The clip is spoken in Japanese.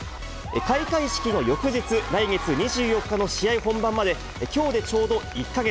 開会式の翌日、来月２４日の試合本番まで、きょうでちょうど１か月。